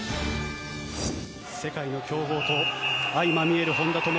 世界の強豪と相まみえる本多灯。